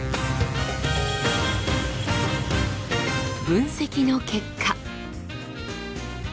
分析の結果